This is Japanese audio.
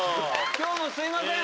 今日もすいません